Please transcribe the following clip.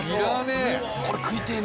これ食いてぇな。